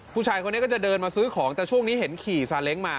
ผู้ชายคนนี้ก็จะเดินมาซื้อของแต่ช่วงนี้เห็นขี่ซาเล้งมา